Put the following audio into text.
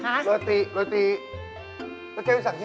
เจ๊มาสั่งที่ไหน